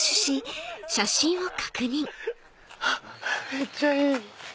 めっちゃいい！